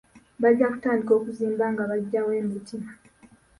Bajja kutandika okuzimba nga bagyawo emiti.